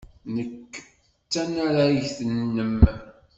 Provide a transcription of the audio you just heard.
Nekk d tanaragt-nnem.